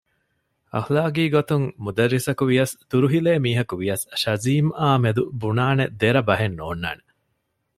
އަޚުލާޤީ ގޮތުން މުދައްރިސަކު ވިޔަސް ދުރުހިލޭ މީހަކުވިޔަސް ޝަޒީމް އާމެދު ބުނާނެ ދެރަ ބަހެއް ނޯންނާނެ